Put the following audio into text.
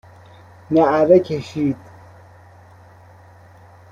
نعره کشید